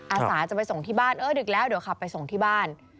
อาสาจะไปส่งที่บ้านเออดึกแล้วเดี๋ยวขับไปส่งที่บ้าน